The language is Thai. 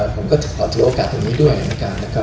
ผมก็ขอทุกโอกาสรุด์อย่างงี้ด้วยนะคะ